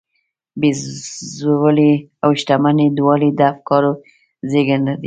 بېوزلي او شتمني دواړې د افکارو زېږنده دي.